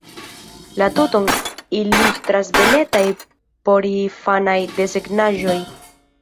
La tuton ilustras beletaj porinfanaj desegnaĵoj.